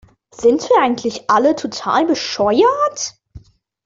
Sind wir eigentlich alle total bescheuert?